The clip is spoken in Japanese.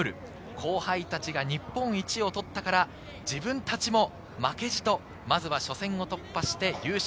後輩たちが日本一を取ったから、自分達も負けじとまずは初戦を突破して優勝。